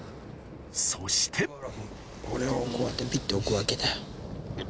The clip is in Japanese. そしてこれをこうやってピッて置くわけだよ。